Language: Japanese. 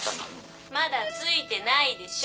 まだ付いてないでしょ。